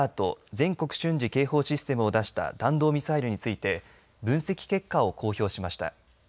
全国瞬時警報システムを出した弾道ミサイルについて分析結果を公表しました。